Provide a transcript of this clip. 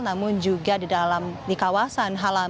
namun juga di dalam di kawasan halaman